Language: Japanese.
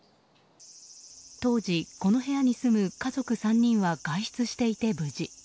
当時、この部屋に住む家族３人は外出していて無事。